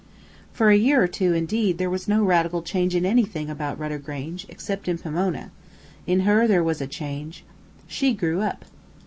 For a year or two, indeed, there was no radical change in anything about Rudder Grange, except in Pomona. In her there was a change. She grew up.